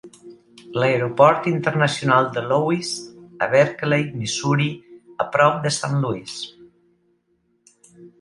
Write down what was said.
L'aeroport internacional de Louis, a Berkeley, Missouri, a prop de Saint Louis.